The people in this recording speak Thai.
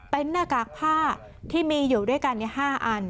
เป็นหน้ากากผ้าที่มีอยู่ด้วยกัน๕อัน